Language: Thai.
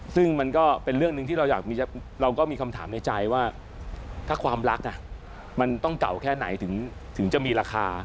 ซึ่งมันก็เป็นเรื่องหนึ่งที่เราก็มีคำถามในใจว่าถ้าความรักมันต้องเก่าแค่ไหนถึงจะมีราคา